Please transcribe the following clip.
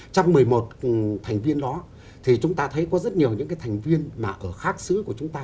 trong một mươi một thành viên đó thì chúng ta thấy có rất nhiều những cái thành viên mà ở khác xứ của chúng ta